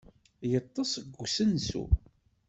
Yeṭṭes deg usensu.